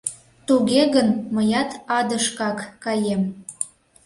Туге гын, мыят адышкак каем...